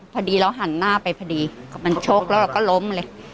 พอดีเราหันหน้าไปพอดีมันชกแล้วเราก็ล้มเลย